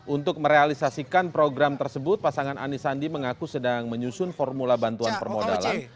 untuk merealisasikan program tersebut pasangan anis sandi mengaku sedang menyusun formula bantuan permodalan